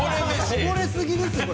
・こぼれ過ぎですよこれ。